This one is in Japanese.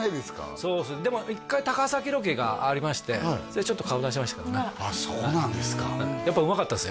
そうですねでも１回高崎ロケがありましてちょっと顔を出しましたけどねそうなんですかやっぱうまかったですよ